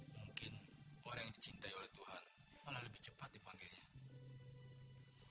mungkin orang yang dicintai oleh tuhan malah lebih cepat dipanggilnya